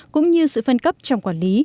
cũng như sự phân cấp trong quản lý